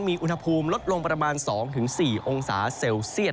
มีอุณหภูมิลดลงประมาณ๒๔องศาเซลเซียต